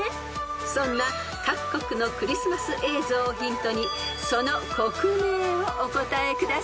［そんな各国のクリスマス映像をヒントにその国名をお答えください］